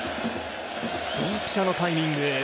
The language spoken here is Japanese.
ドンピシャのタイミング。